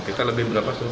kita lebih berapa